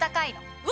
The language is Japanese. うわ！